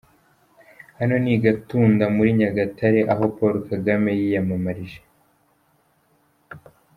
Hano ni i Gatunda muri Nyagatare aho Paul Kagame yiyamamarije.